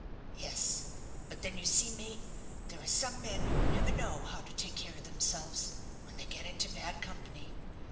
"Yes; but then you see, mate, there are some men who never know how to take care of themselves when they get into bad company.